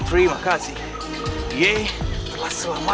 terima kasih ye selamatkan nyawa